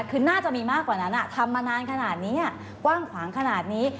คือน่าจะมีมากกว่านั้นทำมานานขนาดนี้กว้างขวางขนาดนี้